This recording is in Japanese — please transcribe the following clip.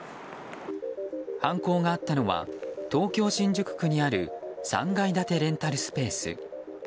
犯行があったのは東京・新宿区にある３階建てレンタルスペース。